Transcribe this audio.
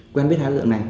quen biết hai đối tượng này